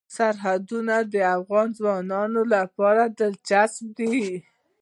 سرحدونه د افغان ځوانانو لپاره دلچسپي لري.